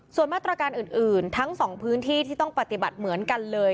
ส่วนมาตรการอื่นทั้งสองพื้นที่ที่ต้องปฏิบัติเหมือนกันเลย